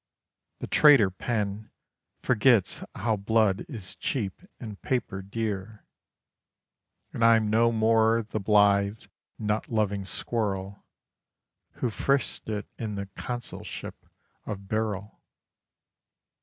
The traitor pen Forgets how blood is cheap and paper dear: And I'm no more the blithe, nut loving squirrel Who frisked it in the consulship of Birrell.